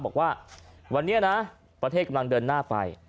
บอกว่าวันนี้นะประเทศกำลังเดินหน้าไป